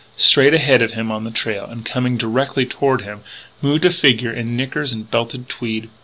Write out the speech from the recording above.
Straight ahead of him on the trail, and coming directly toward him, moved a figure in knickers and belted tweed.